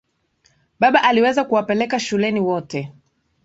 Baba aliweza kuwapeleka shuleni wote.